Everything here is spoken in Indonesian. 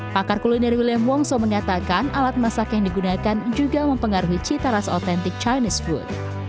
pakar kuliner william wongso mengatakan alat masak yang digunakan juga mempengaruhi cita rasa otentik chinese food